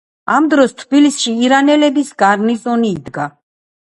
ამ დროს ᲗბილისᲨი ირანელების გარნიზონი იდგა.